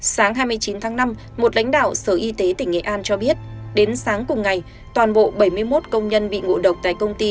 sáng hai mươi chín tháng năm một lãnh đạo sở y tế tỉnh nghệ an cho biết đến sáng cùng ngày toàn bộ bảy mươi một công nhân bị ngộ độc tại công ty